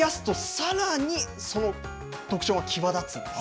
さらにその特徴が際立